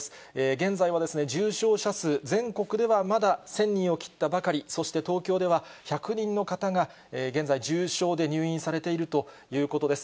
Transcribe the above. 現在は重症者数、全国ではまだ１０００人を切ったばかり、そして東京では１００人の方が、現在、重症で入院されているということです。